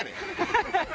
ハハハハ！